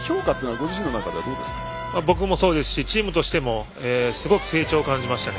僕自身もそうですしチームとしてもすごく成長を感じましたね。